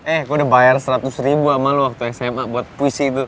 eh gua udah bayar seratus ribu sama lu waktu sma buat puisi itu